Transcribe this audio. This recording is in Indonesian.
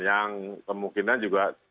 yang kemungkinan juga